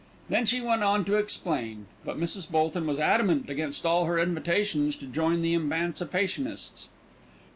Then she went on to explain; but Mrs. Bolton was adamant against all her invitations to join the emancipationists.